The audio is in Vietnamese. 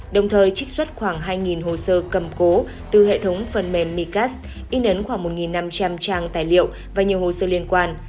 đồng thời trích xuất khoảng hai hồ sơ cầm cố từ hệ thống phần mềm micas in ấn khoảng một năm trăm linh trang tài liệu và nhiều hồ sơ liên quan